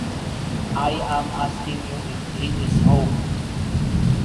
I am asking you if he is home.